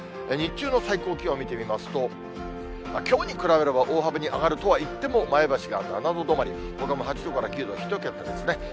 日中の最高気温を見てみますと、きょうに比べれば大幅に上がるとはいっても、前橋が７度止まり、ほかも８度から９度、１桁ですね。